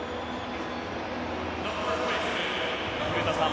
古田さん